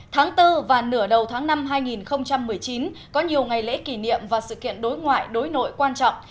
tháng bốn và nửa đầu tháng năm hai nghìn một mươi chín có nhiều ngày lễ kỷ niệm và sự kiện đối ngoại đối nội quan trọng